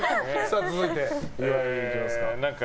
続いて岩井いきますか。